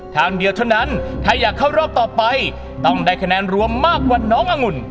ทางเดียวเท่านั้นถ้าอยากเข้ารอบต่อไปต้องได้คะแนนรวมมากกว่าน้ององุ่น